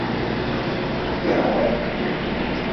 Kwihaweh.